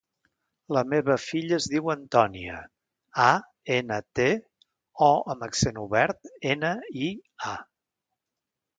La meva filla es diu Antònia: a, ena, te, o amb accent obert, ena, i, a.